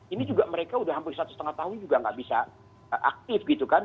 ini juga mereka udah hampir satu setengah tahun juga nggak bisa aktif gitu kan